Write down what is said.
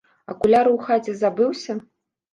Акуляры ў хаце забыўся!